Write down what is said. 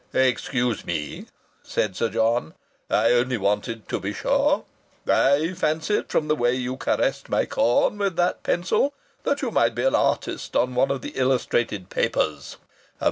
"Excuse me!" said Sir John. "I only wanted to be sure. I fancied from the way you caressed my corn with that pencil that you might be an artist on one of the illustrated papers.